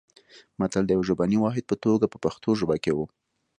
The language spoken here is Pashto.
متل د یوه ژبني واحد په توګه په پښتو ژبه کې و